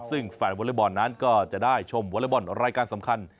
ซึ่งแฟนวอเล็กบอลนั้นก็จะได้ชมวอเล็กบอลรายการสำคัญ